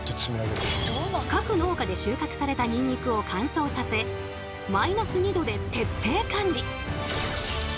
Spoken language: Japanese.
各農家で収穫されたニンニクを乾燥させマイナス２℃で徹底管理。